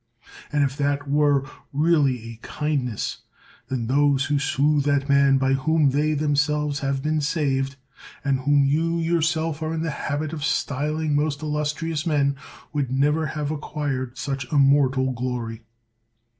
and if that were' really a kindness, then those who slew that man by whom they them selves had been saved, and whom you yourself are in the habit of styling most illustrious men, would never have acquired such immortal glory.